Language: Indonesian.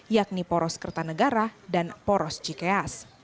yakni poros kertanegara dan poros cikeas